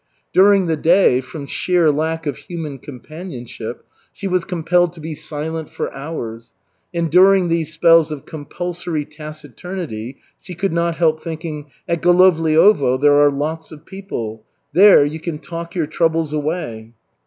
During the day, from sheer lack of human companionship, she was compelled to be silent for hours, and during these spells of compulsory taciturnity, she could not help thinking: "At Golovliovo there are lots of people. There you can talk your troubles away."